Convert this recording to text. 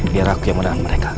biar aku yang menahan mereka